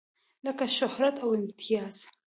لکه شهرت او امتياز.